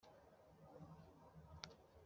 niba utaramushyigikiye kubera ku mukundana